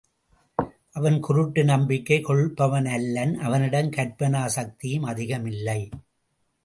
அவன் குருட்டு நம்பிக்கை கொள்பவனல்லன் அவனிடம் கற்பனா சக்தியும் அதிகமில்லை.